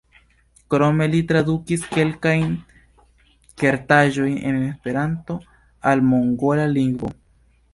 Krome li tradukis kelkajn verkaĵojn el Esperanto al mongola lingvo.